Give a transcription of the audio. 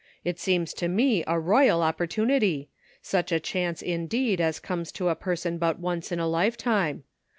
It seems to me a royal opportunity — such a chance, indeed, as comes to a person but once in a lifetime.